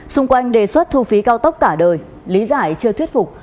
xung quanh đề xuất thu phí cao tốc cả đời lý giải chưa thuyết phục